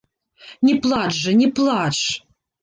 Не плач жа, не плач!